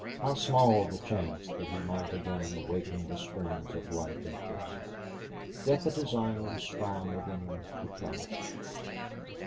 How small the chance that he might again awaken the springs of life interest. Yet the desire was strong within him to try.